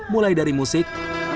mulai dari musik